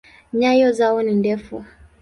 Nyayo zao ni ndefu.